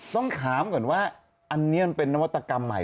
ต้องถามก่อนว่าอันนี้มันเป็นนวัตกรรมใหม่